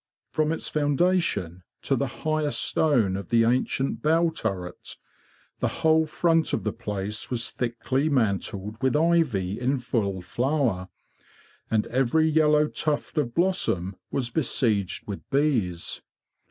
From its foundation to" the highest stone of the ancient bell turret, the whole front of the place was thickly mantled with ivy in full flower, and every yellow tuft of blossom was besieged with bees.